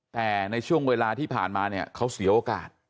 แต่ในช่วงเวลาที่ผ่านมาเนี่ยเขาเสียโอกาส